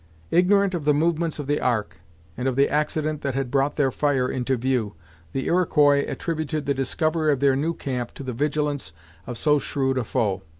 Ignorant of the movements of the Ark, and of the accident that had brought their fire into view, the Iroquois attributed the discovery of their new camp to the vigilance of so shrewd a foe.